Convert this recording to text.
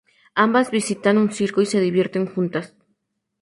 Ambas visitan un circo y se divierten juntas.